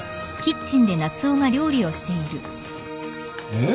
えっ？